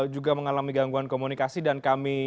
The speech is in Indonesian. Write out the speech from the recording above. juga mengalami gangguan komunikasi dan kami